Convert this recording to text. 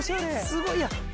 すごいやん！